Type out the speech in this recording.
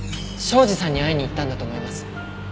庄司さんに会いに行ったんだと思います。